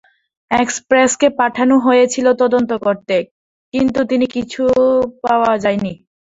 এক্সপ্রেসকে পাঠানো হয়েছিল তদন্ত করতে, কিন্তু কিছুই পাওয়া যায়নি।